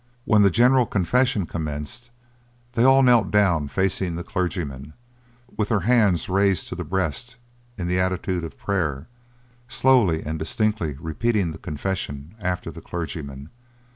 When the general confession commenced, they all knelt down facing the clergyman, with their hands raised to the breast in the attitude of prayer, slowly and distinctly repeating the confession after the clergyman.